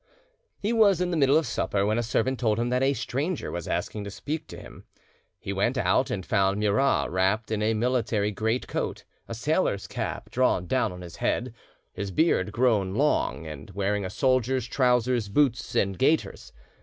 He was in the middle of supper when a servant told him that a stranger was asking to speak to him—he went out, and found Murat wrapped in a military greatcoat, a sailor's cap drawn down on his head, his beard grown long, and wearing a soldier's trousers, boots, and gaiters.